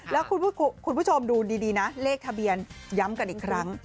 แล้วคุณผู้ชมดูดีนะเลขทะเบียนย้ำกันอีกครั้ง